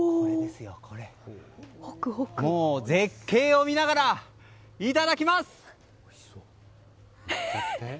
もう絶景を見ながらいただきます！